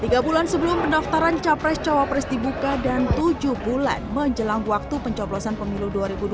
tiga bulan sebelum pendaftaran capres cawapres dibuka dan tujuh bulan menjelang waktu pencoblosan pemilu dua ribu dua puluh